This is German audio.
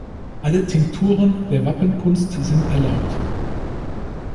Alle Tinkturen der Wappenkunst sind erlaubt.